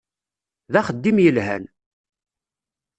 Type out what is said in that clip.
D axeddim yelhan!